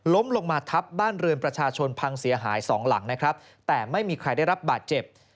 ลงมาทับบ้านเรือนประชาชนพังเสียหายสองหลังนะครับแต่ไม่มีใครได้รับบาดเจ็บ